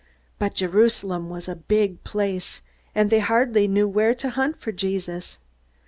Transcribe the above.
But Jerusalem was a big place, and they hardly knew where to hunt for Jesus.